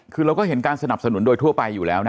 คือเราก็เห็นการสนับสนุนโดยทั่วไปอยู่แล้วนะ